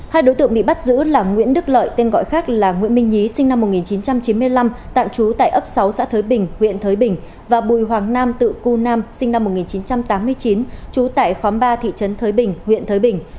hai đối tượng bị bắt giữ là nguyễn đức lợi tên gọi khác là nguyễn minh nhí sinh năm một nghìn chín trăm chín mươi năm tạm trú tại ấp sáu xã thới bình huyện thới bình và bùi hoàng nam tự cư nam sinh năm một nghìn chín trăm tám mươi chín trú tại khóm ba thị trấn thới bình huyện thới bình